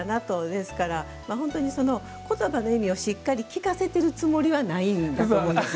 ですから、本当にことばの意味をしっかり聞かせているつもりはないんですよ。